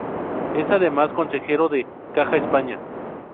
Es, además, consejero de Caja España.